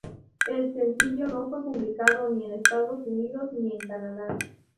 El sencillo no fue publicado ni en Estados Unidos ni en Canadá.